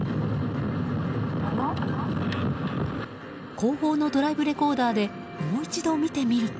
後方のドライブレコーダーでもう一度見てみると。